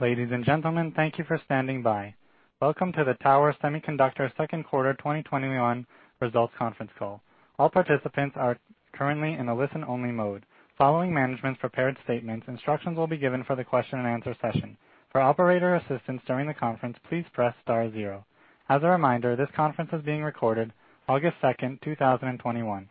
Ladies and gentlemen, thank you for standing by. Welcome to the Tower Semiconductor second quarter 2021 results conference call. All participants are currently in a listen-only mode. Following management's prepared statements, instructions will be given for the question and answer session. For operator assistance during the conference, please press star zero. As a reminder, this conference is being recorded August 2nd, 2021.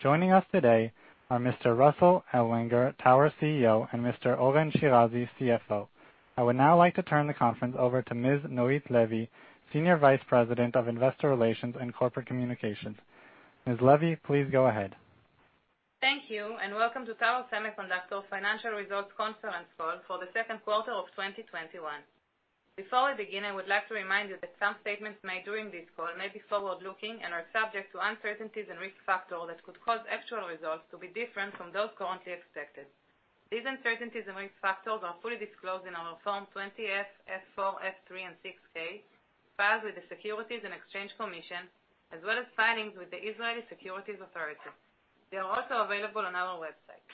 Joining us today are Mr. Russell Ellwanger, Tower CEO, and Mr. Oren Shirazi, CFO. I would now like to turn the conference over to Ms. Noit Levy, Senior Vice President of Investor Relations and Corporate Communications. Ms. Levy, please go ahead. Thank you, and welcome to Tower Semiconductor Financial Results conference call for the second quarter of 2021. Before we begin, I would like to remind you that some statements made during this call may be forward-looking and are subject to uncertainties and risk factors that could cause actual results to be different from those currently expected. These uncertainties and risk factors are fully disclosed in our Form 20-F, F-4, F-3, and 6-K filed with the Securities and Exchange Commission, as well as filings with the Israel Securities Authority. They are also available on our website.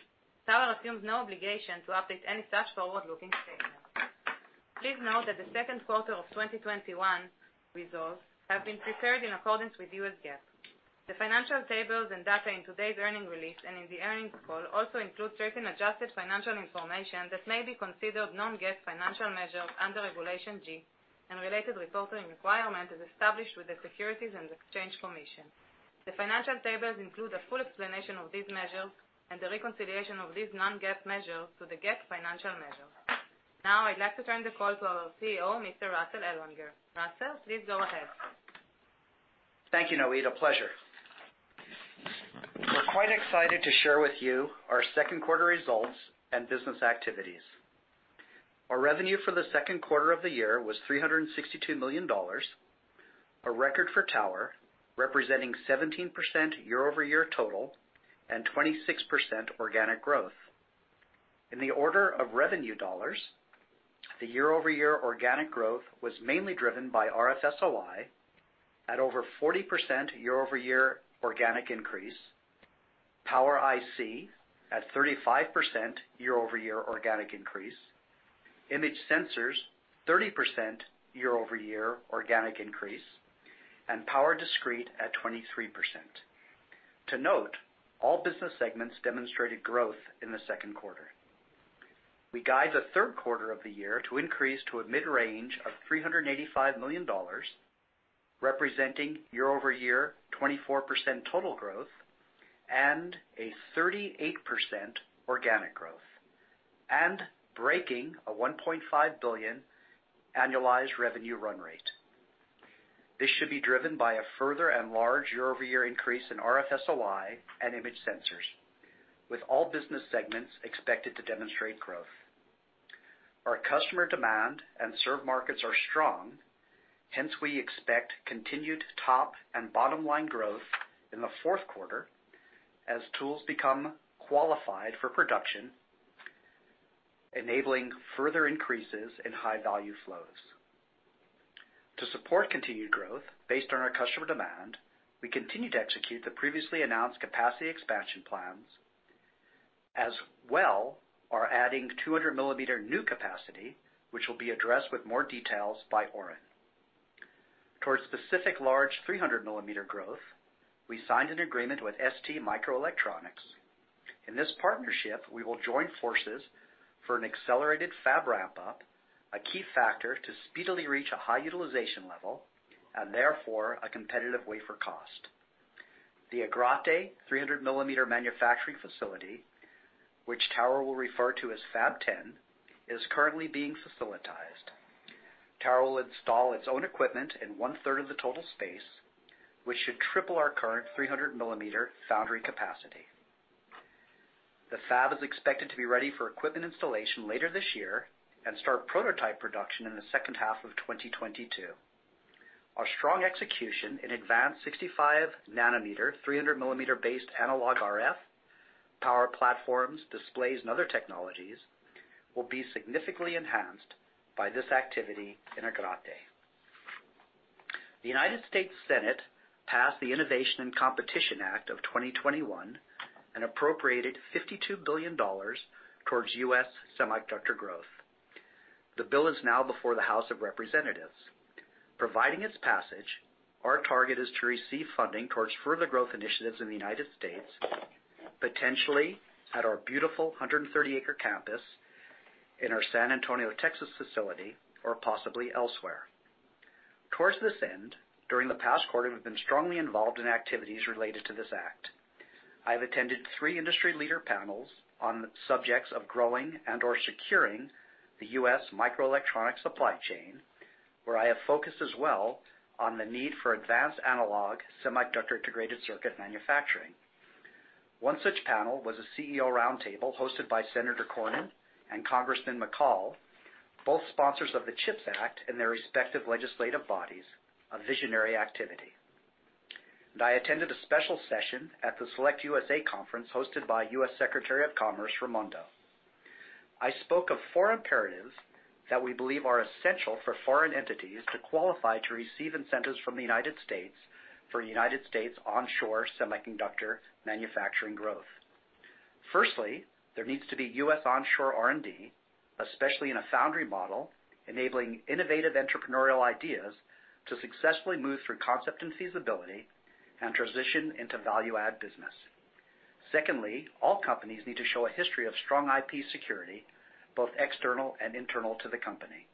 Tower assumes no obligation to update any such forward-looking statements. Please note that the second quarter of 2021 results have been prepared in accordance with US GAAP. The financial tables and data in today's earnings release and in the earnings call also include certain adjusted financial information that may be considered non-GAAP financial measures under Regulation G and related reporting requirement as established with the Securities and Exchange Commission. The financial tables include a full explanation of these measures and the reconciliation of these non-GAAP measures to the GAAP financial measures. Now I'd like to turn the call to our CEO, Mr. Russell Ellwanger. Russell, please go ahead. Thank you, Noit. A pleasure. We're quite excited to share with you our second quarter results and business activities. Our revenue for the second quarter of the year was $362 million, a record for Tower, representing 17% year-over-year total and 26% organic growth. In the order of revenue dollars, the year-over-year organic growth was mainly driven by RF SOI at over 40% year-over-year organic increase, power IC at 35% year-over-year organic increase, image sensors, 30% year-over-year organic increase, and power discrete at 23%. To note, all business segments demonstrated growth in the second quarter. We guide the third quarter of the year to increase to a mid-range of $385 million, representing year-over-year 24% total growth and a 38% organic growth, and breaking a $1.5 billion annualized revenue run rate. This should be driven by a further and large year-over-year increase in RF SOI and image sensors, with all business segments expected to demonstrate growth. Our customer demand and served markets are strong. Hence, we expect continued top and bottom line growth in the fourth quarter as tools become qualified for production, enabling further increases in high value flows. To support continued growth based on our customer demand, we continue to execute the previously announced capacity expansion plans, as well are adding two hundred millimeter new capacity, which will be addressed with more details by Oren. Towards specific large three hundred millimeter growth, we signed an agreement with STMicroelectronics. In this partnership, we will join forces for an accelerated fab ramp up, a key factor to speedily reach a high utilization level and therefore a competitive wafer cost. The Agrate 300 millimeter manufacturing facility, which Tower will refer to as Fab 10, is currently being facilitized. Tower will install its own equipment in 1/3 of the total space, which should triple our current 300 millimeter foundry capacity. The fab is expected to be ready for equipment installation later this year and start prototype production in the second half of 2022. Our strong execution in advanced 65 nanometer, 300 millimeter based analog RF, power platforms, displays, and other technologies will be significantly enhanced by this activity in Agrate. The United States Senate passed the Innovation and Competition Act of 2021 and appropriated $52 billion towards U.S. semiconductor growth. The bill is now before the House of Representatives. Providing its passage, our target is to receive funding towards further growth initiatives in the U.S., potentially at our beautiful 130-acre campus in our San Antonio, Texas, facility or possibly elsewhere. Towards this end, during the past quarter, we've been strongly involved in activities related to this act. I have attended three industry leader panels on the subjects of growing and/or securing the U.S. microelectronic supply chain, where I have focused as well on the need for advanced analog semiconductor integrated circuit manufacturing. One such panel was a CEO roundtable hosted by Senator Cornyn and Congressman McCaul, both sponsors of the CHIPS Act in their respective legislative bodies, a visionary activity. I attended a special session at the SelectUSA conference hosted by U.S. Secretary of Commerce Raimondo. I spoke of four imperatives that we believe are essential for foreign entities to qualify to receive incentives from the U.S. for U.S. onshore semiconductor manufacturing growth. Firstly, there needs to be U.S. onshore R&D, especially in a foundry model, enabling innovative entrepreneurial ideas to successfully move through concept and feasibility and transition into value-add business. Secondly, all companies need to show a history of strong IP security, both external and internal to the company.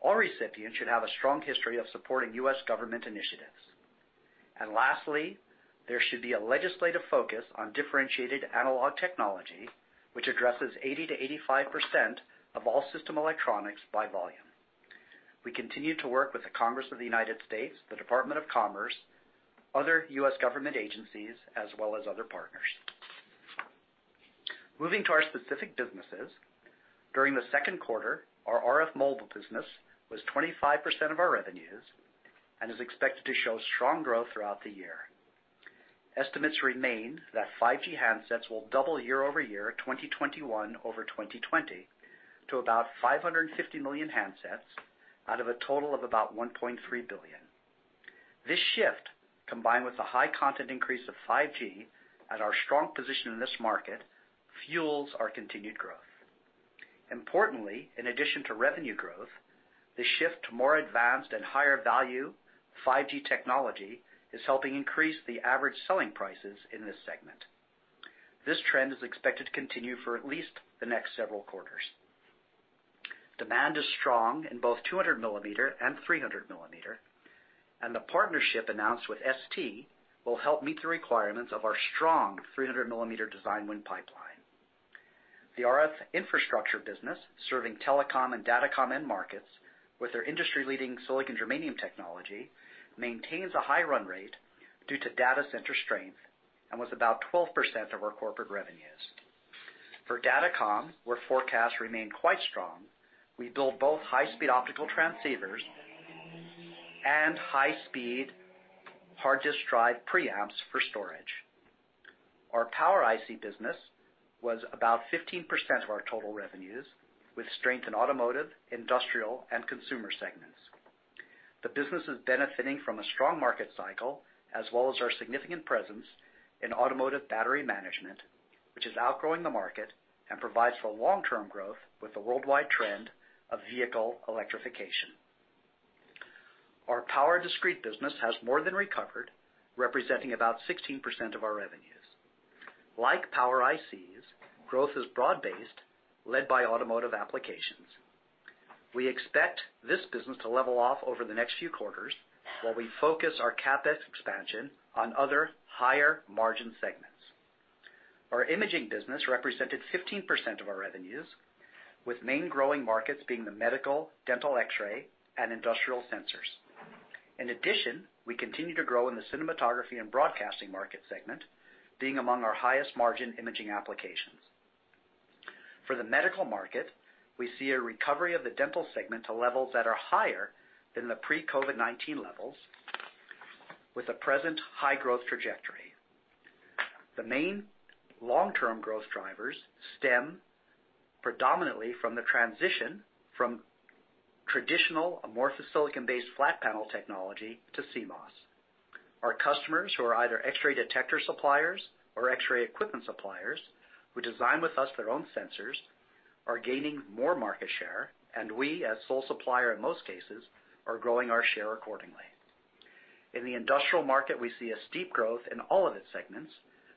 All recipients should have a strong history of supporting U.S. government initiatives. Lastly, there should be a legislative focus on differentiated analog technology, which addresses 80%-85% of all system electronics by volume. We continue to work with the Congress of the U.S., the Department of Commerce, other U.S. government agencies, as well as other partners. Moving to our specific businesses. During the second quarter, our RF mobile business was 25% of our revenues and is expected to show strong growth throughout the year. Estimates remain that 5G handsets will double year-over-year 2021 over 2020 to about 550 million handsets out of a total of about 1.3 billion. This shift, combined with the high content increase of 5G and our strong position in this market, fuels our continued growth. Importantly, in addition to revenue growth, the shift to more advanced and higher value 5G technology is helping increase the average selling prices in this segment. This trend is expected to continue for at least the next several quarters. Demand is strong in both 200 millimeter and 300 millimeter. The partnership announced with ST will help meet the requirements of our strong 300 millimeter design win pipeline. The RF infrastructure business, serving telecom and datacom end markets with their industry-leading silicon germanium technology, maintains a high run rate due to data center strength and was about 12% of our corporate revenues. For datacom, where forecasts remain quite strong, we build both high-speed optical transceivers and high-speed hard disk drive preamps for storage. Our power IC business was about 15% of our total revenues, with strength in automotive, industrial and consumer segments. The business is benefiting from a strong market cycle as well as our significant presence in automotive battery management, which is outgrowing the market and provides for long-term growth with the worldwide trend of vehicle electrification. Our power discrete business has more than recovered, representing about 16% of our revenues. Like power ICs, growth is broad-based, led by automotive applications. We expect this business to level off over the next few quarters while we focus our CapEx expansion on other higher margin segments. Our imaging business represented 15% of our revenues, with main growing markets being the medical, dental X-ray, and industrial sensors. We continue to grow in the cinematography and broadcasting market segment, being among our highest margin imaging applications. For the medical market, we see a recovery of the dental segment to levels that are higher than the pre-COVID-19 levels with a present high growth trajectory. The main long-term growth drivers stem predominantly from the transition from traditional amorphous silicon-based flat panel technology to CMOS. Our customers, who are either X-ray detector suppliers or X-ray equipment suppliers who design with us their own sensors, are gaining more market share, and we, as sole supplier in most cases, are growing our share accordingly. In the industrial market, we see a steep growth in all of its segments,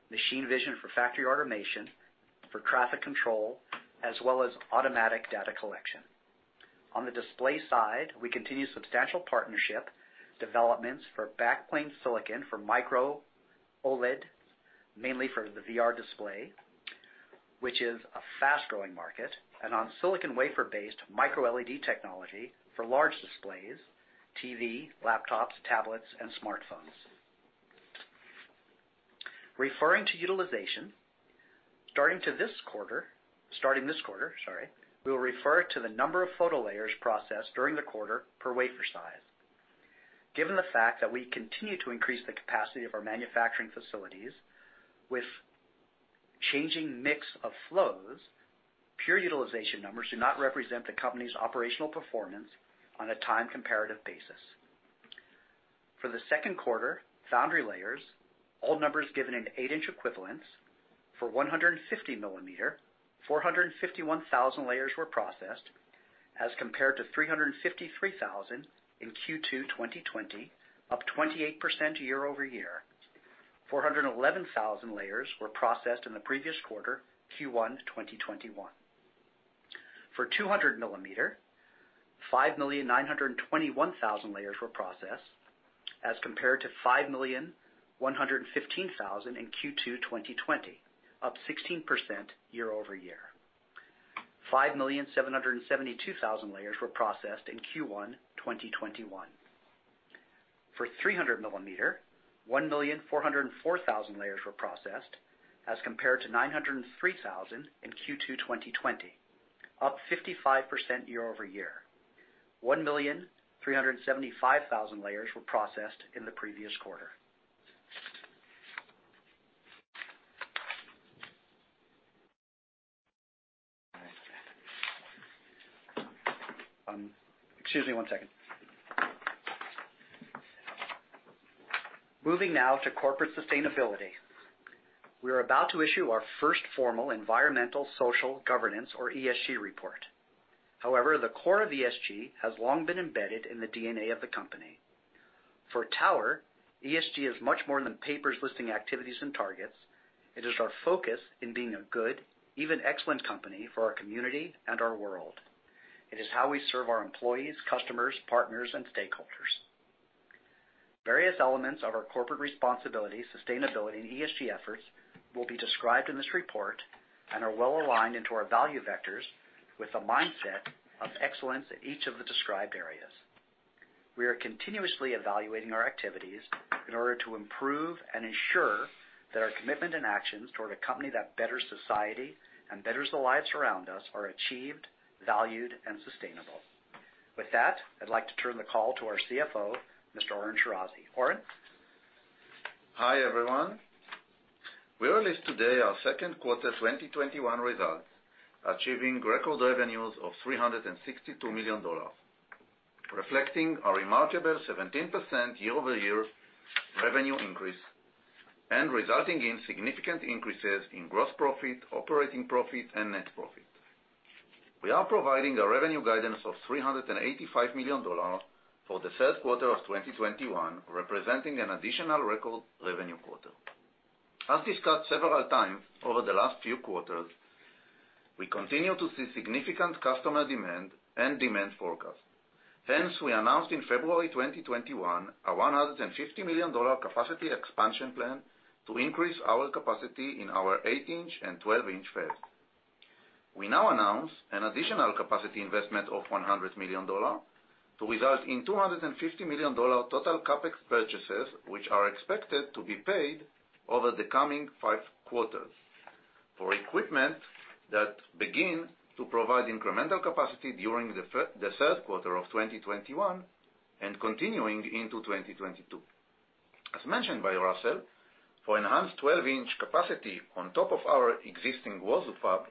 machine vision for factory automation, for traffic control, as well as automatic data collection. On the display side, we continue substantial partnership developments for backplane silicon for Micro-OLED, mainly for the VR display, which is a fast-growing market, and on silicon wafer-based Micro-LED technology for large displays, TV, laptops, tablets, and smartphones. Referring to utilization, starting this quarter, sorry, we will refer to the number of photo layers processed during the quarter per wafer size. Given the fact that we continue to increase the capacity of our manufacturing facilities with changing mix of flows, pure utilization numbers do not represent the company's operational performance on a time comparative basis. For the second quarter, foundry layers, all numbers given in 8 inch equivalents. For 150 millimeter, 451,000 layers were processed as compared to 353,000 in Q2 2020, up 28% year-over-year. 411,000 layers were processed in the previous quarter, Q1 2021. For 200 millimeter, 5,921,000 layers were processed as compared to 5,115,000 layers in Q2 2020, up 16% year-over-year. 5,772,000 layers were processed in Q1 2021. For 300 millimeter, 1,404,000 layers were processed as compared to 903,000 in Q2 2020, up 55% year-over-year. 1,375,000 layers were processed in the previous quarter. Excuse me one second. Moving now to corporate sustainability. We are about to issue our first formal Environmental Social Governance or ESG report. The core of ESG has long been embedded in the DNA of the company. For Tower, ESG is much more than papers listing activities and targets. It is our focus in being a good, even excellent company for our community and our world. It is how we serve our employees, customers, partners, and stakeholders. Various elements of our corporate responsibility, sustainability, and ESG efforts will be described in this report and are well aligned into our value vectors with a mindset of excellence in each of the described areas. We are continuously evaluating our activities in order to improve and ensure that our commitment and actions toward a company that betters society and betters the lives around us are achieved, valued, and sustainable. With that, I'd like to turn the call to our CFO, Mr. Oren Shirazi. Oren? Hi, everyone. We released today our second quarter 2021 results, achieving record revenues of $362 million, reflecting a remarkable 17% year-over-year revenue increase and resulting in significant increases in gross profit, operating profit, and net profit. We are providing a revenue guidance of $385 million for the third quarter of 2021, representing an additional record revenue quarter. As discussed several times over the last few quarters, we continue to see significant customer demand and demand forecast. Hence, we announced in February 2021 a $150 million capacity expansion plan to increase our capacity in our 8 inch and 12 inch fabs. We now announce an additional capacity investment of $100 million to result in $250 million total CapEx purchases, which are expected to be paid over the coming five quarters for equipment that begin to provide incremental capacity during the third quarter of 2021 and continuing into 2022. As mentioned by Russell, for enhanced 12 inch capacity on top of our existing Uozu fab,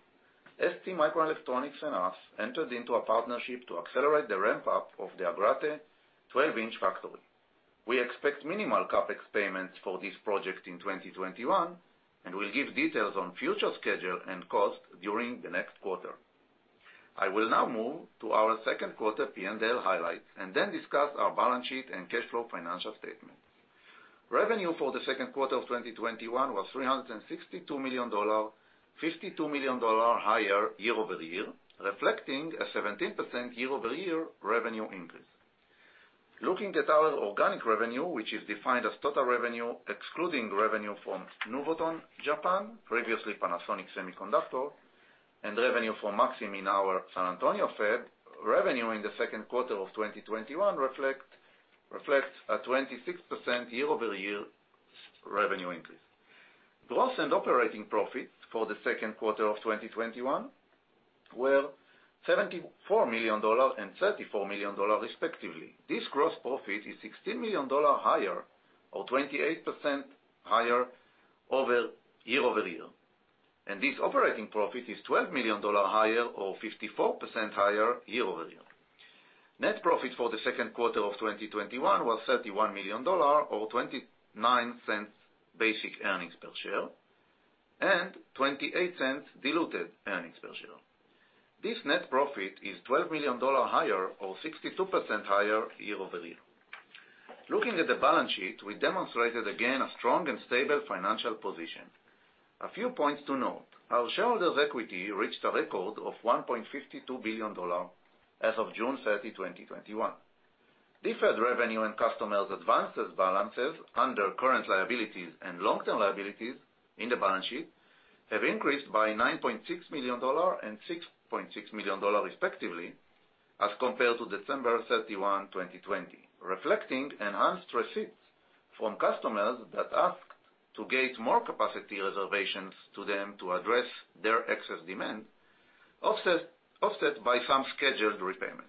STMicroelectronics and us entered into a partnership to accelerate the ramp-up of the Agrate 12-inch factory. We expect minimal CapEx payments for this project in 2021, and we'll give details on future schedule and cost during the next quarter. I will now move to our 2nd quarter P&L highlights and then discuss our balance sheet and cash flow financial statement. Revenue for the second quarter of 2021 was $362 million, $52 million higher year-over-year, reflecting a 17% year-over-year revenue increase. Looking at our organic revenue, which is defined as total revenue excluding revenue from Nuvoton Japan, previously Panasonic Semiconductor, and revenue from Maxim in our San Antonio fab, revenue in the second quarter of 2021 reflects a 26% year-over-year revenue increase. Gross and operating profits for the second quarter of 2021 were $74 million and $34 million respectively. This gross profit is $16 million higher or 28% higher over year-over-year, and this operating profit is $12 million higher or 54% higher year-over-year. Net profit for the second quarter of 2021 was $31 million, or $0.29 basic earnings per share, and $0.28 diluted earnings per share. This net profit is $12 million higher or 62% higher year-over-year. Looking at the balance sheet, we demonstrated again a strong and stable financial position. A few points to note. Our shareholders' equity reached a record of $1.52 billion as of June 30, 2021. Deferred revenue and customers' advances balances under current liabilities and long-term liabilities in the balance sheet have increased by $9.6 million and $6.6 million respectively as compared to December 31, 2020, reflecting enhanced receipts from customers that asked to get more capacity reservations to them to address their excess demand, offset by some scheduled repayments.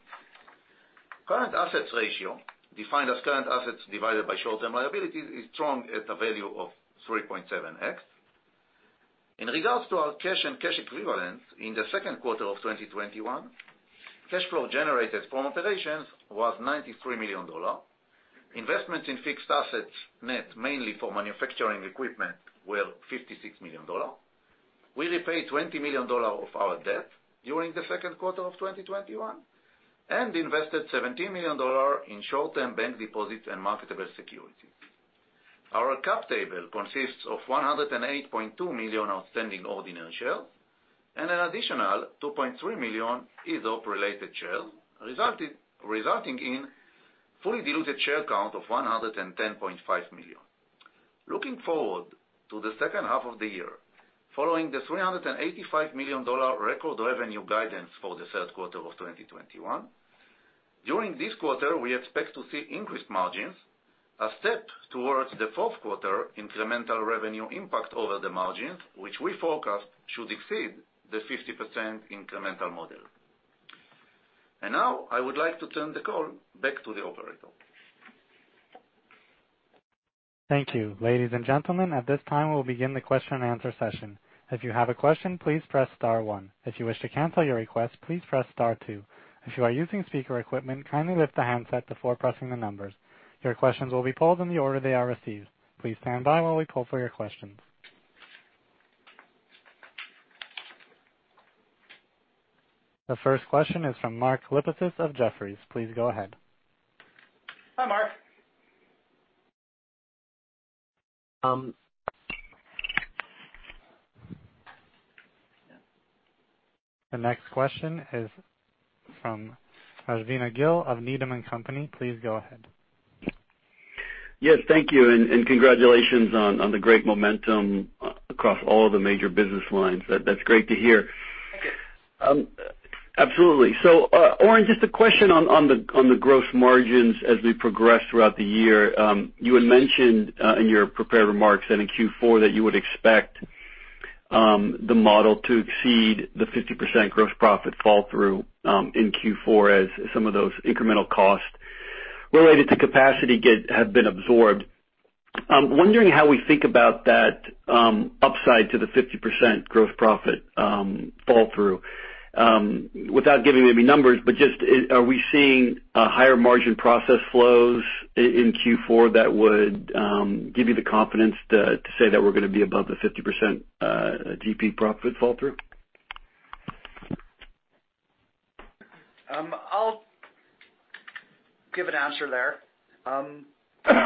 Current assets ratio, defined as current assets divided by short-term liabilities, is strong at a value of 3.7x. In regards to our cash and cash equivalents in the second quarter of 2021, cash flow generated from operations was $93 million. Investments in fixed assets net mainly for manufacturing equipment were $56 million. We repaid $20 million of our debt during the second quarter of 2021 and invested $17 million in short-term bank deposits and marketable securities. Our cap table consists of 108.2 million outstanding ordinary shares and an additional 2.3 million ESOP-related shares, resulting in fully diluted share count of 110.5 million. Looking forward to the second half of the year, following the $385 million record revenue guidance for the third quarter of 2021, during this quarter, we expect to see increased margins, a step towards the fourth quarter incremental revenue impact over the margins, which we forecast should exceed the 50% incremental model. I would like to turn the call back to the operator. Thank you. Ladies and gentlemen, at this time we’ll begin the question-and-answer session. If you have a question, please press star one. If you wish to cancel your request, please press star two. If you are using speaker equipment, kindly lift the handset before pressing the numbers. Your questions will be taken in the order they are received. Please stand by while we poll for your question. The first question is from Mark Lipacis of Jefferies. Please go ahead. Hi, Mark. The next question is from Rajvindra Gill of Needham & Company. Please go ahead. Yes, thank you, and congratulations on the great momentum across all of the major business lines. That's great to hear. Thank you. Absolutely. Oren, just a question on the gross margins as we progress throughout the year. You had mentioned in your prepared remarks that in Q4 that you would expect the model to exceed the 50% gross profit fall through in Q4 as some of those incremental costs related to capacity have been absorbed. I'm wondering how we think about that upside to the 50% gross profit fall through. Without giving maybe numbers, but just are we seeing a higher margin process flows in Q4 that would give you the confidence to say that we're gonna be above the 50% GP profit fall through? I'll give an answer there.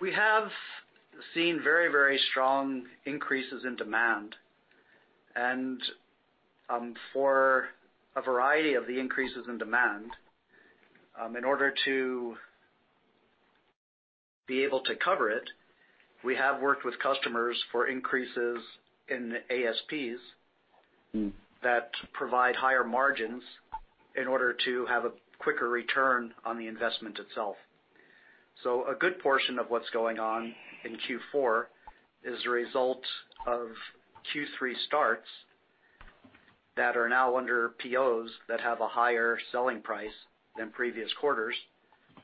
We have seen very, very strong increases in demand and, for a variety of the increases in demand, in order to be able to cover it, we have worked with customers for increases in ASPs that provide higher margins in order to have a quicker return on the investment itself. A good portion of what's going on in Q4 is a result of Q3 starts that are now under POs that have a higher selling price than previous quarters,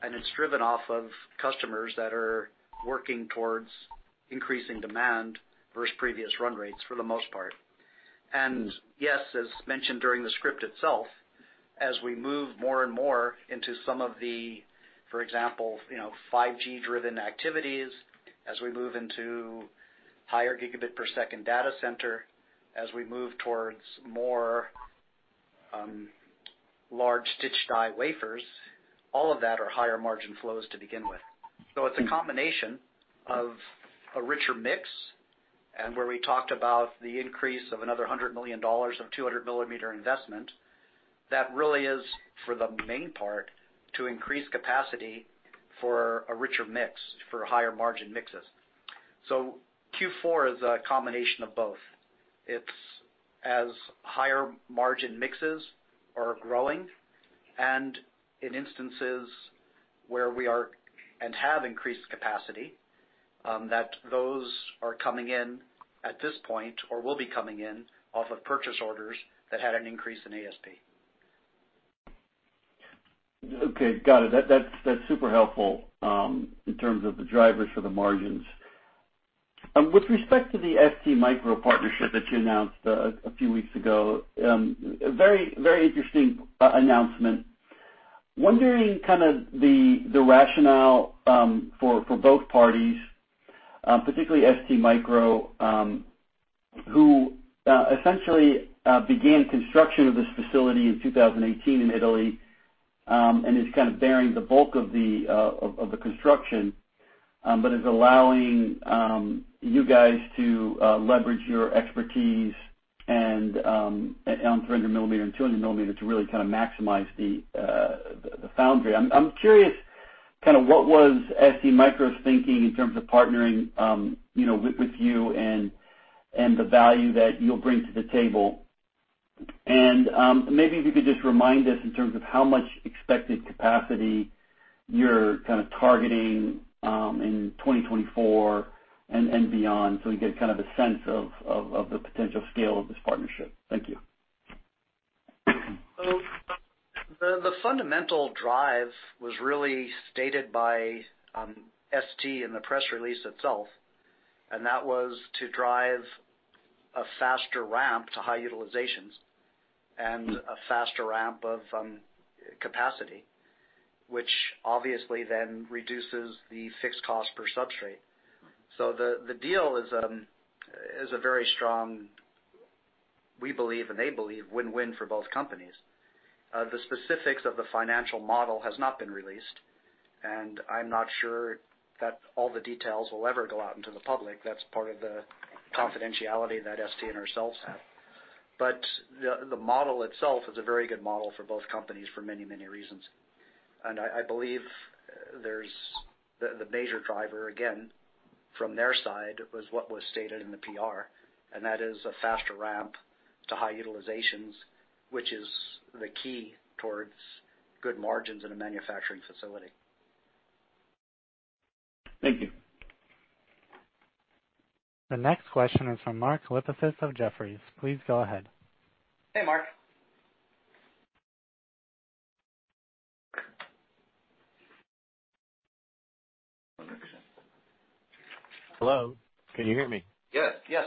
and it's driven off of customers that are working towards increasing demand versus previous run rates for the most part. Yes, as mentioned during the script itself, as we move more and more into some of the, for example, you know, 5G-driven activities, as we move into higher gigabit per second data center, as we move towards more, large stitched die wafers, all of that are higher margin flows to begin with. It's a combination of a richer mix and where we talked about the increase of another $100 million of 200 millimeter investment, that really is for the main part to increase capacity for a richer mix, for higher margin mixes. Q4 is a combination of both. It's as higher margin mixes are growing and in instances where we are and have increased capacity, that those are coming in at this point or will be coming in off of purchase orders that had an increase in ASP. Okay. Got it. That's super helpful in terms of the drivers for the margins. With respect to the STMicroelectronics partnership that you announced a few weeks ago, very interesting announcement. Wondering the rationale for both parties, particularly STMicroelectronics, who essentially began construction of this facility in 2018 in Italy, and is kind of bearing the bulk of the construction, but is allowing you guys to leverage your expertise and on 300 millimeter and 200 millimeter to really kind of maximize the foundry. I'm curious what was STMicroelectronics' thinking in terms of partnering, you know, with you and the value that you'll bring to the table. Maybe if you could just remind us in terms of how much expected capacity you're kind of targeting in 2024 and beyond, so we get kind of a sense of the potential scale of this partnership. Thank you. The fundamental drive was really stated by ST in the press release itself, and that was to drive a faster ramp to high utilizations and a faster ramp of capacity, which obviously then reduces the fixed cost per substrate. The deal is a very strong, we believe, and they believe win-win for both companies. The specifics of the financial model has not been released, and I'm not sure that all the details will ever go out into the public. That's part of the confidentiality that ST and ourselves have. The model itself is a very good model for both companies for many reasons. I believe the major driver, again, from their side was what was stated in the PR. That is a faster ramp to high utilizations, which is the key towards good margins in a manufacturing facility. Thank you. The next question is from Mark Lipacis of Jefferies. Please go ahead. Hey, Mark. Hello? Can you hear me? Yes. Yes.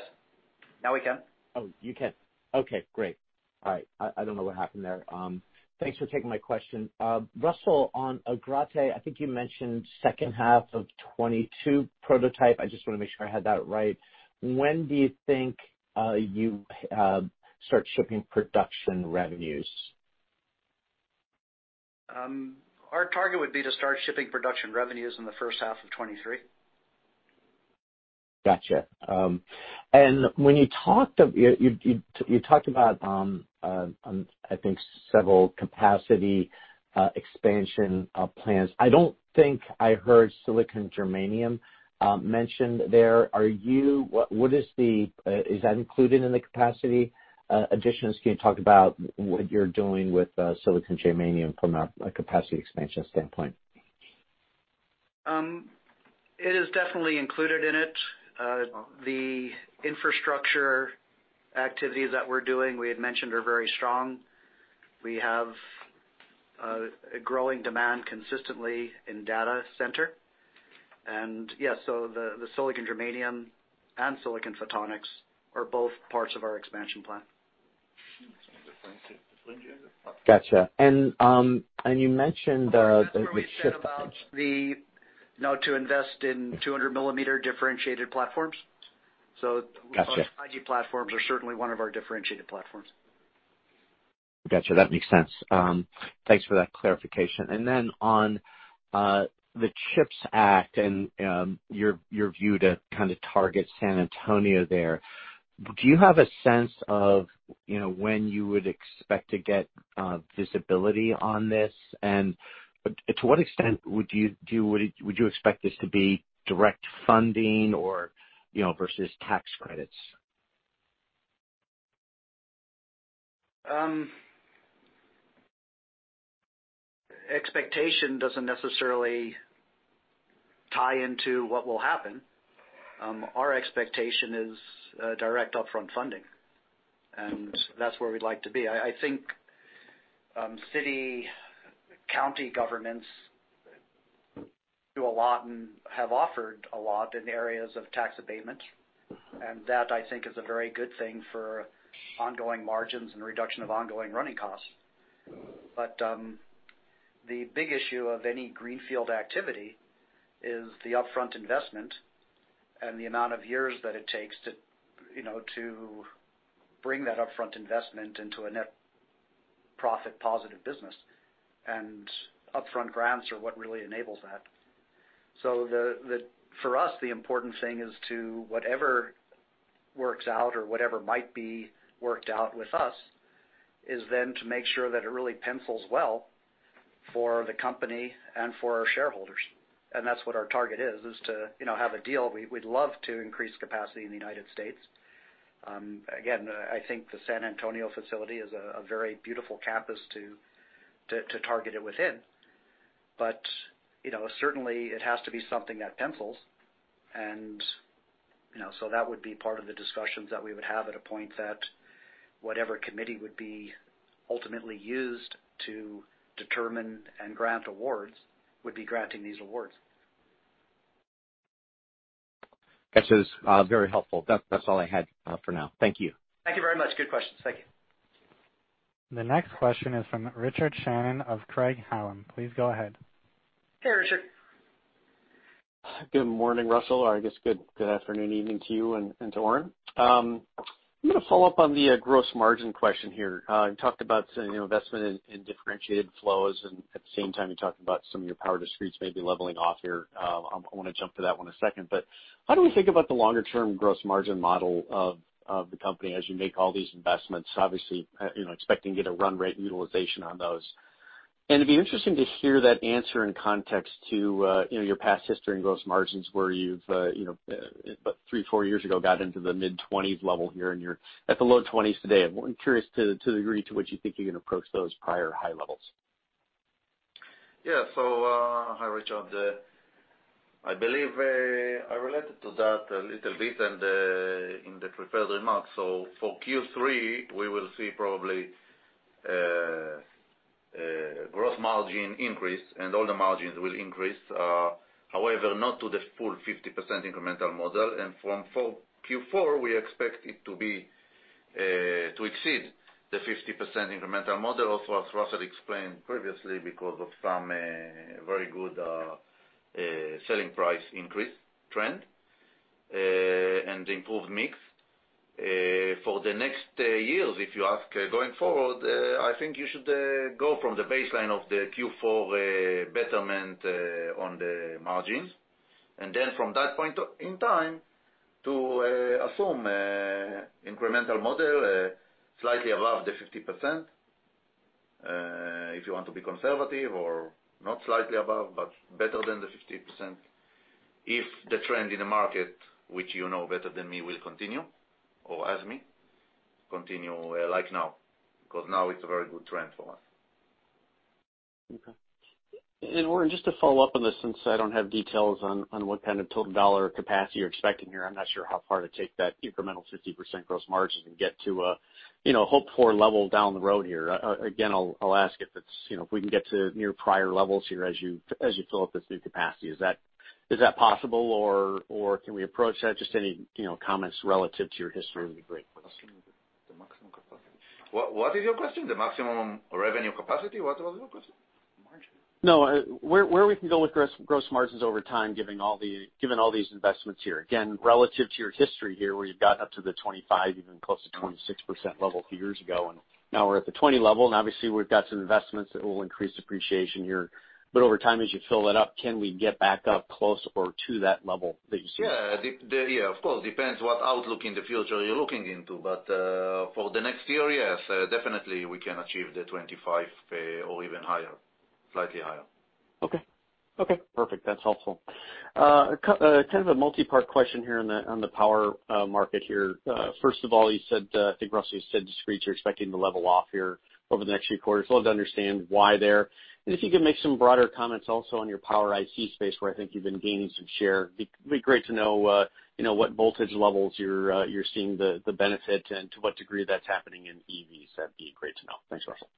Now we can. Oh, you can. Okay, great. All right. I don't know what happened there. Thanks for taking my question. Russell, on Agrate, I think you mentioned second half of 2022 prototype. I just wanna make sure I had that right. When do you think you start shipping production revenues? Our target would be to start shipping production revenues in the first half of 2023. Gotcha. When you talked about, I think several capacity expansion plans. I don't think I heard silicon germanium mentioned there. What is the? Is that included in the capacity additions? Can you talk about what you're doing with silicon germanium from a capacity expansion standpoint? It is definitely included in it. The infrastructure activities that we're doing, we had mentioned, are very strong. We have a growing demand consistently in data center. The silicon germanium and silicon photonics are both parts of our expansion plan. Gotcha. You mentioned the CHIPS Act. That's where we said about, you know, to invest in 200 millimeter differentiated platforms. Gotcha. SiGe platforms are certainly one of our differentiated platforms. Gotcha. That makes sense. Thanks for that clarification. Then on the CHIPS Act and your view to kinda target San Antonio there, do you have a sense of, you know, when you would expect to get visibility on this? To what extent would you expect this to be direct funding or, you know, versus tax credits? Expectation doesn't necessarily tie into what will happen. Our expectation is direct upfront funding, and that's where we'd like to be. I think city, county governments do a lot and have offered a lot in areas of tax abatement, and that I think is a very good thing for ongoing margins and reduction of ongoing running costs. The big issue of any greenfield activity is the upfront investment and the amount of years that it takes to, you know, to bring that upfront investment into a net profit positive business. Upfront grants are what really enables that. For us, the important thing is to whatever works out or whatever might be worked out with us is then to make sure that it really pencils well for the company and for our shareholders. That's what our target is to, you know, have a deal. We'd love to increase capacity in the U.S. Again, I think the San Antonio facility is a very beautiful campus to target it within. You know, certainly it has to be something that pencils. You know, that would be part of the discussions that we would have at a point that whatever committee would be ultimately used to determine and grant awards would be granting these awards. Gotcha. It was very helpful. That's all I had for now. Thank you. Thank you very much. Good questions. Thank you. The next question is from Richard Shannon of Craig-Hallum. Please go ahead. Hey, Richard. Good morning, Russell. Or I guess good afternoon, evening to you and to Oren. I'm going to follow up on the gross margin question here. You talked about some, you know, investment in differentiated flows, at the same time you talked about some of your power discretes maybe leveling off here. I wanna jump to that one in a second. How do we think about the longer-term gross margin model of the company as you make all these investments? Obviously, you know, expecting to get a run rate utilization on those. It'd be interesting to hear that answer in context to, you know, your past history and gross margins where you've, you know, about three, four years ago got into the mid-20s level here, and you're at the low 20s today. I'm curious to the degree to which you think you can approach those prior high levels? Yeah. Hi, Richard. I believe I related to that a little bit and in the prepared remarks. For Q3, we will see probably gross margin increase and all the margins will increase. However, not to the full 50% incremental model. From Q4, we expect it to be to exceed the 50% incremental model of what Russell explained previously because of some very good selling price increase trend and improved mix. For the next years, if you ask, going forward, I think you should go from the baseline of the Q4 betterment on the margins. From that point in time to assume incremental model, slightly above the 50%, if you want to be conservative or not slightly above, but better than the 50%. If the trend in the market, which you know better than me, will continue or ask me, continue, like now, because now it's a very good trend for us. Okay. Oren, just to follow-up on this since I don't have details on what kind of total dollar capacity you're expecting here, I'm not sure how far to take that incremental 50% gross margins and get to a, you know, hope for level down the road here. Again, I'll ask if it's, you know, if we can get to near prior levels here as you fill up this new capacity. Is that possible or can we approach that? Just any, you know, comments relative to your history would be great. The maximum capacity. What is your question? The maximum revenue capacity? What was your question? Margin. No, where we can go with gross margins over time, given all these investments here. Again, relative to your history here, where you've got up to the 25, even close to 26% level a few years ago, and now we're at the 20 level, and obviously we've got some investments that will increase depreciation year. Over time, as you fill that up, can we get back up close or to that level that you see? Yeah, of course. Depends what outlook in the future you're looking into. For the next year, yes, definitely we can achieve the 25, or even higher, slightly higher. Okay. Okay, perfect. That's helpful. Kind of a multi-part question here on the power market here. First of all, you said, I think Russell said discretes are expecting to level off here over the next few quarters. Love to understand why there. If you could make some broader comments also on your power IC space, where I think you've been gaining some share. Be great to know, you know, what voltage levels you're seeing the benefit and to what degree that's happening in EVs. That'd be great to know. Thanks, Russell.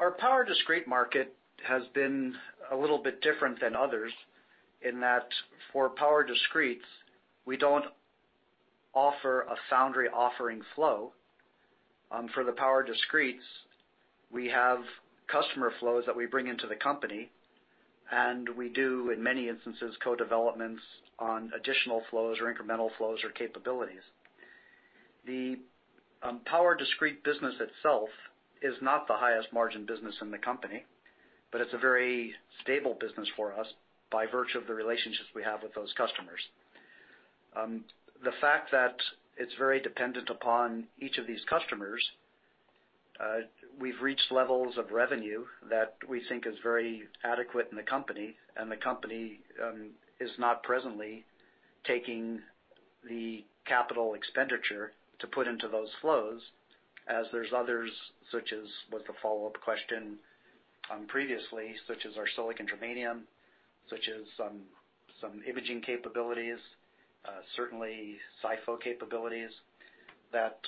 Our power discrete market has been a little bit different than others in that for power discretes, we don't offer a foundry offering flow. For the power discretes, we have customer flows that we bring into the company, and we do, in many instances, co-developments on additional flows or incremental flows or capabilities. The power discrete business itself is not the highest margin business in the company, but it's a very stable business for us by virtue of the relationships we have with those customers. The fact that it's very dependent upon each of these customers, we've reached levels of revenue that we think is very adequate in the company, and the company is not presently taking the CapEx to put into those flows as there's others, such as with the follow-up question, previously, such as our silicon germanium, such as some imaging capabilities, certainly SiPho capabilities that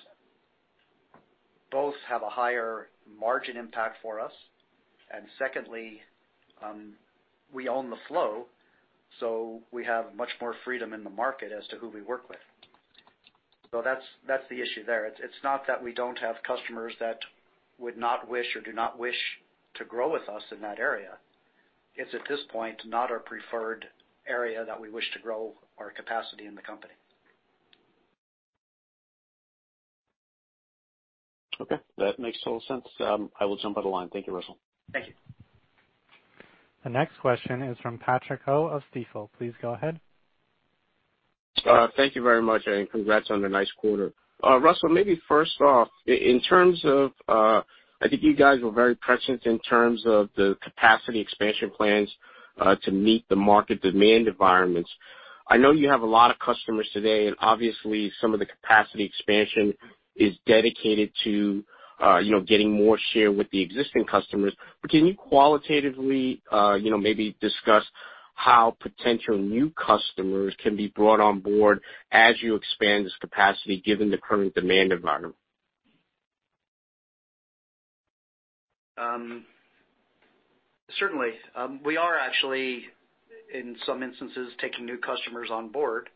both have a higher margin impact for us. Secondly, we own the flow, so we have much more freedom in the market as to who we work with. That's the issue there. It's not that we don't have customers that would not wish or do not wish to grow with us in that area. It's at this point, not our preferred area that we wish to grow our capacity in the company. Okay. That makes total sense. I will jump out of line. Thank you, Russell. Thank you. The next question is from Patrick Ho of Stifel. Please go ahead. Thank you very much. Congrats on a nice quarter. Russell, maybe first off, in terms of, I think you guys were very prescient in terms of the capacity expansion plans, to meet the market demand environments. I know you have a lot of customers today, and obviously some of the capacity expansion is dedicated to, you know, getting more share with the existing customers. Can you qualitatively, you know, maybe discuss how potential new customers can be brought on board as you expand this capacity given the current demand environment? Certainly. We are actually in some instances, taking new customers on board,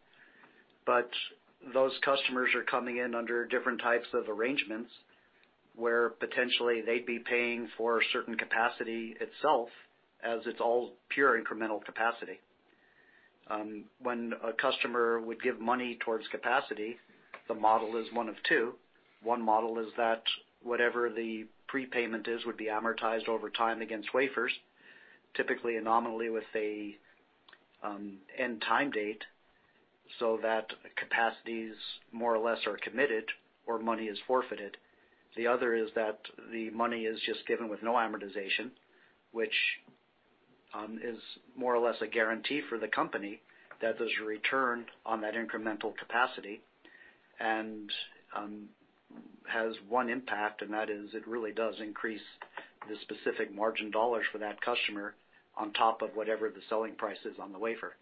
but those customers are coming in under different types of arrangements, where potentially they'd be paying for certain capacity itself as it's all pure incremental capacity. When a customer would give money towards capacity, the model is one of two. One model is that whatever the prepayment is would be amortized over time against wafers, typically and nominally with an end time date, so that capacities more or less are committed or money is forfeited. The other is that the money is just given with no amortization, which is more or less a guarantee for the company that there's a return on that incremental capacity, and has one impact, and that is it really does increase the specific margin dollars for that customer on top of whatever the selling price is on the wafer.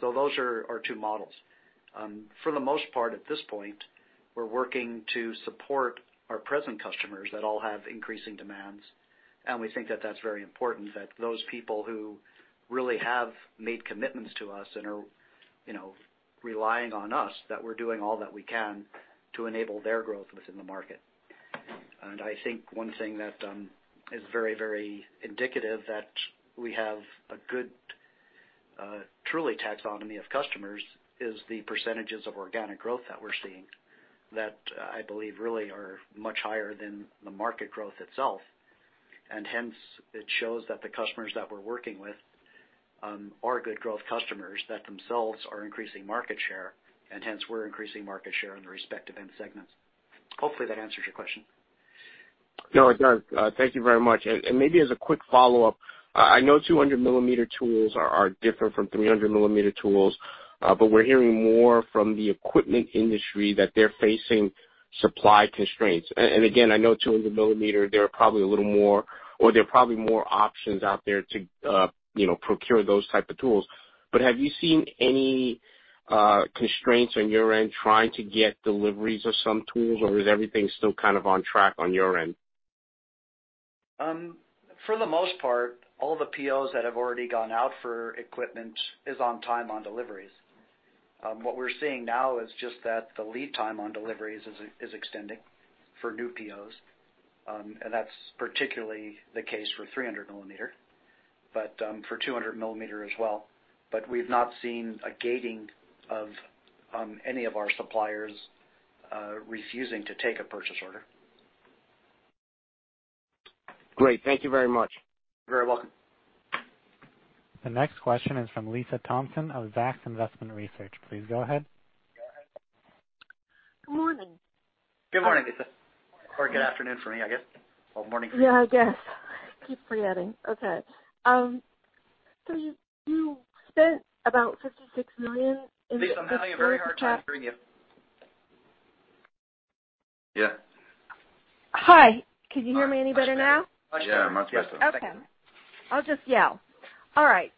Those are our two models. For the most part, at this point, we're working to support our present customers that all have increasing demands, and we think that that's very important, that those people who really have made commitments to us and are, you know, relying on us, that we're doing all that we can to enable their growth within the market. I think one thing that is very, very indicative that we have a good, truly taxonomy of customers is the percentages of organic growth that we're seeing, that I believe really are much higher than the market growth itself. Hence, it shows that the customers that we're working with are good growth customers that themselves are increasing market share, and hence we're increasing market share in the respective end segments. Hopefully, that answers your question. No, it does. Thank you very much. Maybe as a quick follow-up, I know 200 millimeter tools are different from 300 millimeter tools. We're hearing more from the equipment industry that they're facing supply constraints. Again, I know 200 millimeter, there are probably more options out there to, you know, procure those type of tools. Have you seen any constraints on your end trying to get deliveries of some tools, or is everything still kind of on track on your end? For the most part, all the POs that have already gone out for equipment is on time on deliveries. What we're seeing now is just that the lead time on deliveries is extending for new POs. That's particularly the case for 300 millimeter, but for 200 millimeter as well. We've not seen a gating of any of our suppliers refusing to take a purchase order. Great. Thank you very much. You're very welcome. The next question is from Lisa Thompson of Zacks Investment Research. Please go ahead. Go ahead. Good morning. Good morning, Lisa. Good afternoon for me, I guess. Morning for you. Yeah, I guess. Keep forgetting. Okay. You spent about $56 million in the first half? Lisa, I'm having a very hard time hearing you. Yeah. Hi. Could you hear me any better now? Yeah, much better. Okay. I'll just yell. All right.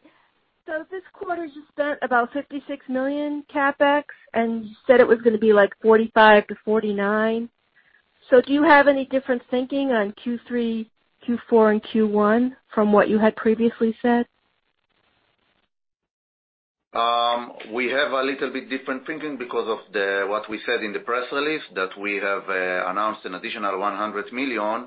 This quarter you spent about $56 million CapEx, you said it was going to be like $45 million-$49 million. Do you have any different thinking on Q3, Q4, and Q1 from what you had previously said? We have a little bit different thinking because of the, what we said in the press release, that we have announced an additional $100 million.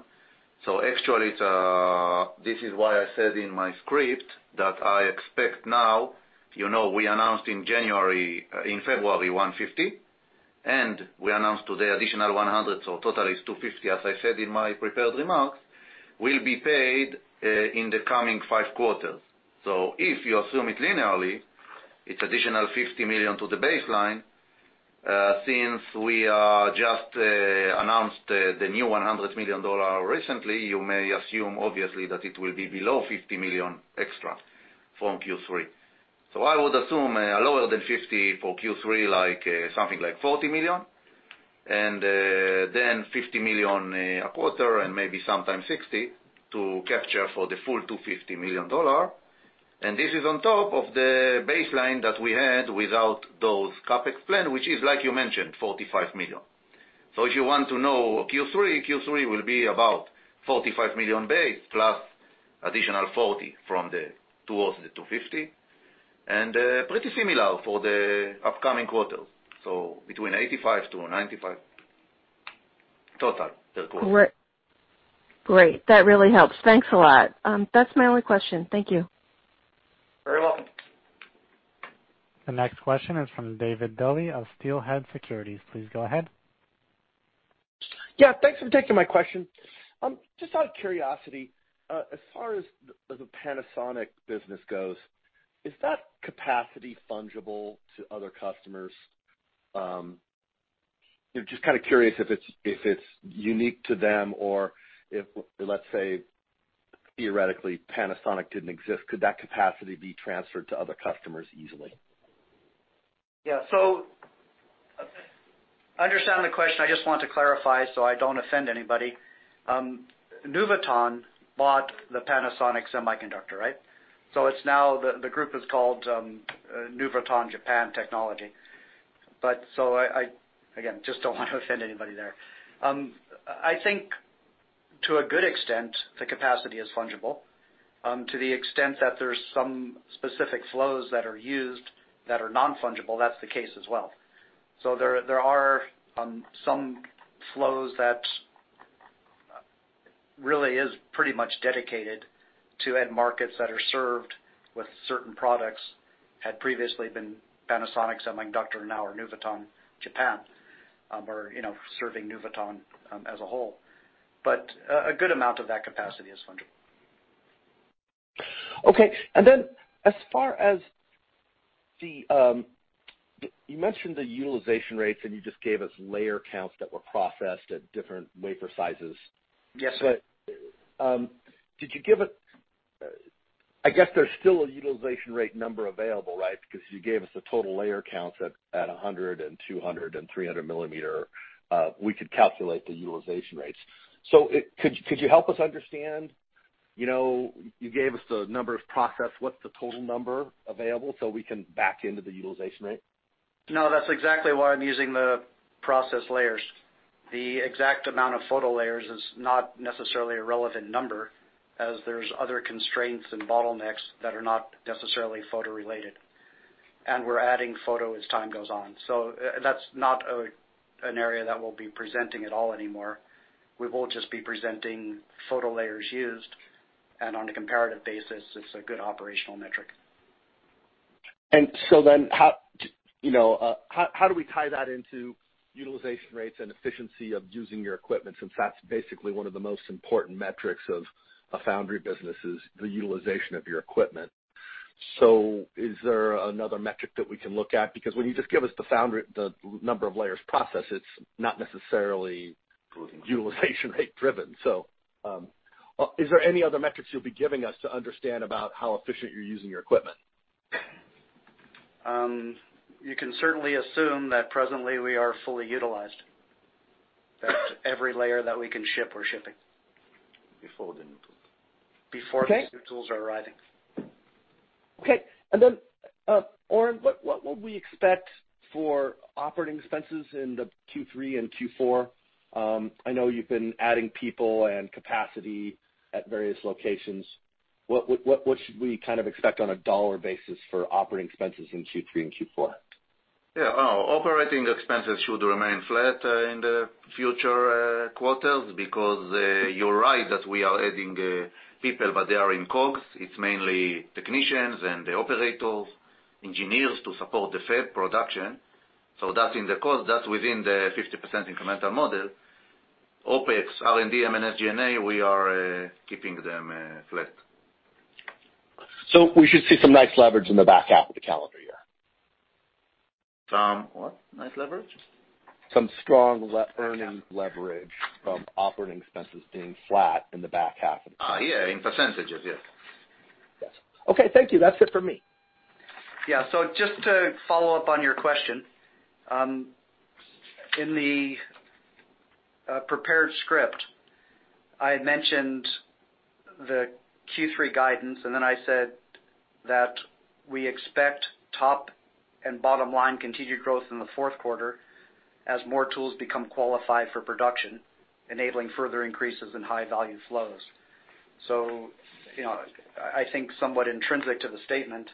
Actually, it's why I said in my script that I expect now, you know, we announced in January, in February, $150, and we announced today additional $100 million, so total is $250 million, as I said in my prepared remarks, will be paid in the coming five quarters. If you assume it linearly, it's additional $50 million to the baseline. Since we are just announced the new $100 million recently, you may assume obviously that it will be below $50 million extra from Q3. I would assume lower than $50 million for Q3, like something like $40 million. Then $50 million a quarter and maybe sometime $60 to capture for the full $250 million. This is on top of the baseline that we had without those CapEx plan, which is, like you mentioned, $45 million. If you want to know Q3 will be about $45 million base plus additional $40 million from the, towards the $250. Pretty similar for the upcoming quarters, so between $85 million-$95 million total per quarter. Great. That really helps. Thanks a lot. That's my only question. Thank you. Very welcome. The next question is from David Duley of Steelhead Securities. Please go ahead. Yeah, thanks for taking my question. Just out of curiosity, as far as the Panasonic business goes, is that capacity fungible to other customers? You know, just kind of curious if it's unique to them or if, let's say, theoretically, Panasonic didn't exist, could that capacity be transferred to other customers easily? Yeah. I understand the question. I just want to clarify so I don't offend anybody. Nuvoton bought the Panasonic Semiconductor, right? It's now the group is called Nuvoton Technology Corporation Japan. I, again, just don't want to offend anybody there. I think to a good extent, the capacity is fungible. To the extent that there's some specific flows that are used that are non-fungible, that's the case as well. There are some flows that really is pretty much dedicated to end markets that are served with certain products, had previously been Panasonic Semiconductor, now are Nuvoton Technology Corporation Japan, or, you know, serving Nuvoton as a whole. A good amount of that capacity is fungible. Okay. As far as the, you mentioned the utilization rates, and you just gave us layer counts that were processed at different wafer sizes. Yes, sir. Did you give, I guess there's still a utilization rate number available, right? Because you gave us the total layer counts at 100 and 200 and 300 millimeter. We could calculate the utilization rates. Could you help us understand, you know, you gave us the number of process. What's the total number available so we can back into the utilization rate? No, that's exactly why I'm using the process layers. The exact amount of photo layers is not necessarily a relevant number, as there's other constraints and bottlenecks that are not necessarily photo related. We're adding photo as time goes on. That's not an area that we'll be presenting at all anymore. We will just be presenting photo layers used. On a comparative basis, it's a good operational metric. How, you know, how do we tie that into utilization rates and efficiency of using your equipment? Since that's basically one of the most important metrics of a foundry business is the utilization of your equipment. Is there another metric that we can look at? Because when you just give us the number of layers processed, it's not necessarily utilization rate driven. Is there any other metrics you'll be giving us to understand about how efficient you're using your equipment? You can certainly assume that presently we are fully utilized, that every layer that we can ship, we're shipping. Before the new tools. Before- Okay these new tools are arriving. Okay. Oren, what would we expect for operating expenses in Q3 and Q4? I know you've been adding people and capacity at various locations. What should we kind of expect on a dollar basis for operating expenses in Q3 and Q4? Yeah. Operating expenses should remain flat in the future quarters because you're right that we are adding people, but they are in costs. It's mainly technicians and the operators, engineers to support the fab production. That's in the cost. That's within the 50% incremental model. OpEx, R&D, M&S, G&A, we are keeping them flat. We should see some nice leverage in the back half of the calendar year. Some what? Nice leverage. Some strong earning leverage from operating expenses being flat in the back half of this. Yeah, in percentage yes. Yes. Okay, thank you. That's it for me. Yeah. just to follow up on your question, in the prepared script, I had mentioned the Q3 guidance, and then I said that we expect top and bottom line continued growth in the fourth quarter as more tools become qualified for production, enabling further increases in high value flows. you know, I think somewhat intrinsic to the statement,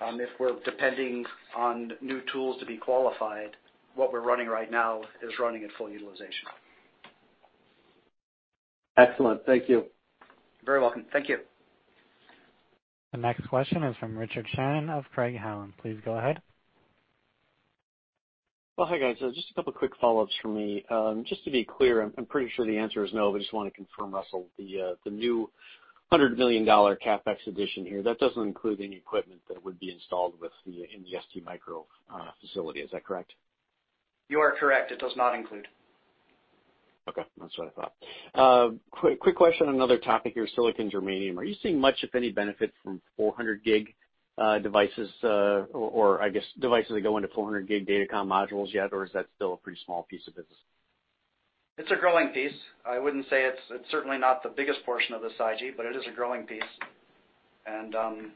if we're depending on new tools to be qualified, what we're running right now is running at full utilization. Excellent. Thank you. You're very welcome. Thank you. The next question is from Richard Shannon of Craig-Hallum. Please go ahead. Well, hi, guys. Just a couple of quick follow-ups from me. Just to be clear, I'm pretty sure the answer is no, but I just want to confirm, Russell, the new $100 million CapEx addition here, that doesn't include any equipment that would be installed in the STMicro facility. Is that correct? You are correct. It does not include. Okay. That's what I thought. Quick question on another topic here, silicon germanium. Are you seeing much, if any, benefit from 400 Gb/s devices, or I guess devices that go into 400 Gb/s datacom modules yet, or is that still a pretty small piece of business? It's a growing piece. I wouldn't say it's certainly not the biggest portion of the SiGe, but it is a growing piece. Yeah,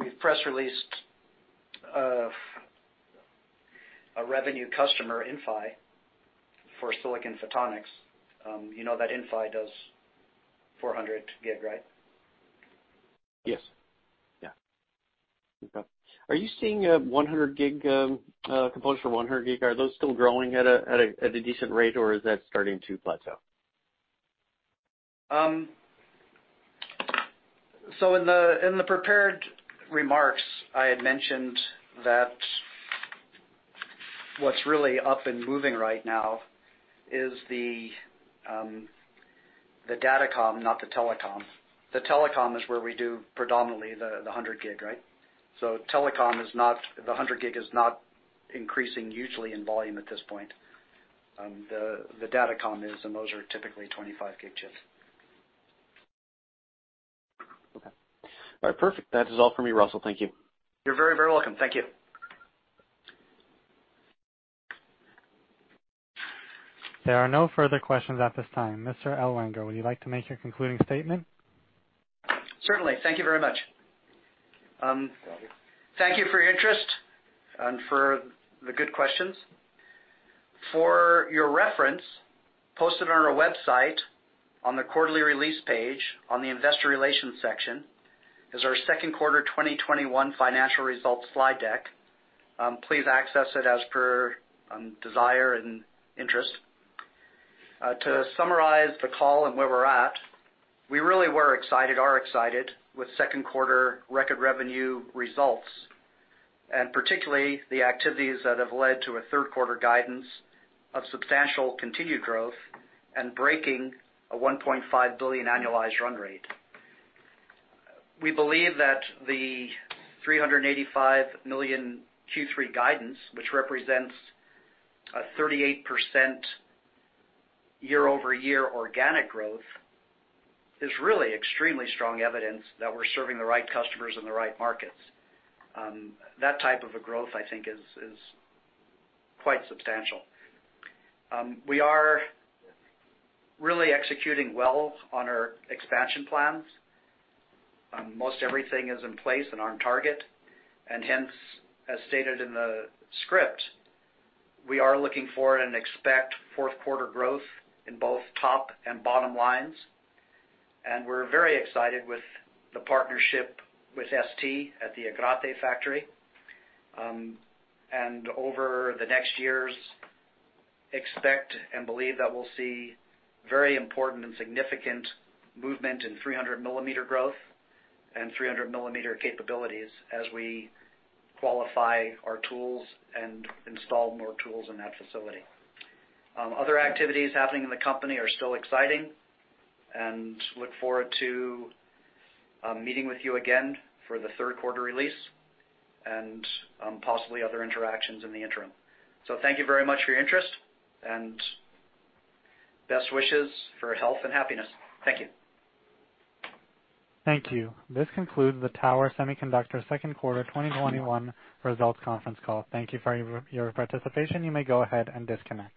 we've press released a revenue customer, Inphi, for silicon photonics. You know that Inphi does 400 Gb/s, right? Yes. Yeah. Okay. Are you seeing 100 Gb/s components for 100 Gb/s? Are those still growing at a decent rate, or is that starting to plateau? In the prepared remarks, I had mentioned that what's really up and moving right now is the datacom, not the telecom. The telecom is where we do predominantly the 100 Gb/s, right? The 100 Gb/s is not increasing usually in volume at this point. The datacom is, those are typically 25 Gb/s chips. Okay. All right, perfect. That is all for me, Russell. Thank you. You're very, very welcome. Thank you. There are no further questions at this time. Mr. Ellwanger, would you like to make your concluding statement? Certainly. Thank you very much. Thank you for your interest and for the good questions. For your reference, posted on our website on the quarterly release page on the investor relations section is our second quarter 2021 financial results slide deck. Please access it as per desire and interest. To summarize the call and where we're at, we really were excited, are excited with second quarter record revenue results, and particularly the activities that have led to a third quarter guidance of substantial continued growth and breaking a $1.5 billion annualized run rate. We believe that the $385 million Q3 guidance, which represents a 38% year-over-year organic growth, is really extremely strong evidence that we're serving the right customers in the right markets. That type of a growth, I think, is quite substantial. We are really executing well on our expansion plans. Most everything is in place and on target, hence, as stated in the script, we are looking forward and expect fourth quarter growth in both top and bottom lines. We're very excited with the partnership with ST at the Agrate factory. Over the next years, expect and believe that we'll see very important and significant movement in 300 millimeter growth and 300 millimeter capabilities as we qualify our tools and install more tools in that facility. Other activities happening in the company are still exciting, look forward to meeting with you again for the third quarter release and possibly other interactions in the interim. Thank you very much for your interest, and best wishes for health and happiness. Thank you. Thank you. This concludes the Tower Semiconductor second quarter 2021 results conference call. Thank you for your participation. You may go ahead and disconnect.